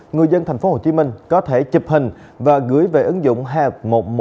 người dân tp hcm có thể chụp hình và gửi về ứng dụng help một trăm một mươi bốn